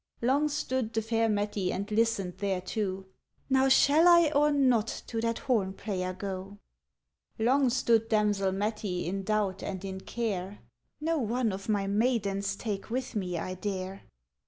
Long stood the fair Mettie and listened thereto: ŌĆ£Now shall I or not to that horn player go? ŌĆØ Long stood damsel Mettie in doubt and in care: ŌĆ£No one of my maidens take with me I dare.